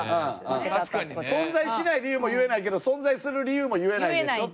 確かにね。存在しない理由も言えないけど存在する理由も言えないでしょ。